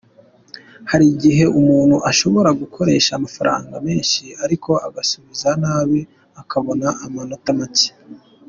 Hari igiye umuntu ashobora gukoresha amafaranga menshi ariko agasubiza nabi akabona amanota make.